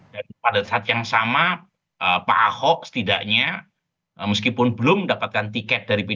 dan pada saat yang sama pak ahok setidaknya meskipun belum mendapatkan tiket dari pd pgo